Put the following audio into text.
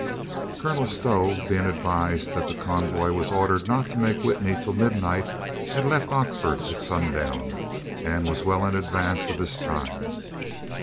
Colonel Stow, being advised that the convoy was ordered not to make Witney till midnight, had left Oxford at sundown and was well in advance of his time.